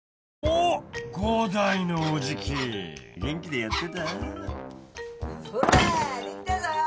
おっ伍代のおじき元気でやってた？ほら！